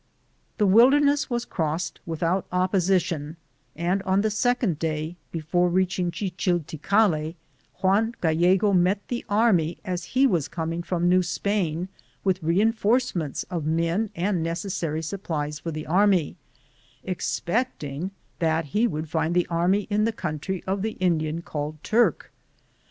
The wilderness was crossed without oppo sition, and on the second day before reaching Chichilticalli Juan Gallego met the army, as he was coming from New Spain with reen forcementB of men and necessary supplies for the army, expecting that he would find the army in the country of the Indian called Turk.